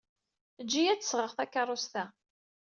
Ejj-iyi ad d-sɣeɣ takeṛṛust-a.